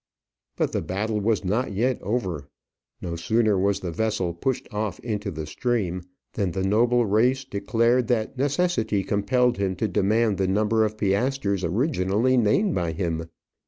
But the battle was not yet over. No sooner was the vessel pushed off into the stream, than the noble reis declared that necessity compelled him to demand the number of piastres originally named by him.